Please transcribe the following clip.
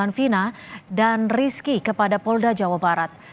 atas kasus pembunuhan vina dan rizky kepada polda jawa barat